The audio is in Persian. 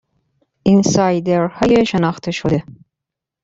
اینسایدرهای شناخته شده